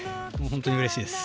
本当にうれしいです。